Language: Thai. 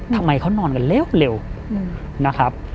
ทำไมเขานอนกันเร็วนะครับ